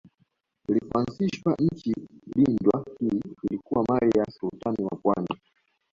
Ilipoanzishwa Nchi lindwa hii ilikuwa mali ya Sultani wa Pwani